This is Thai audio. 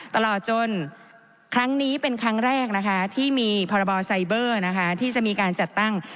ตลอดจนครั้งนี้เป็นครั้งแรกนะคะที่มีพรบไซเบอร์นะคะที่จะมีการจัดตั้ง